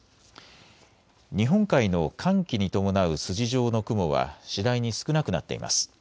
日本海の寒気に伴う筋状の雲は次第に少なくなっています。